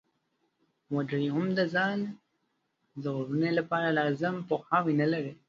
وګړي هم د ځان ژغورنې لپاره لازم پوهاوی نلري.